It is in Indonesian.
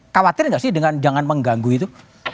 khawatir nggak sih dengan jangan mengganggu itu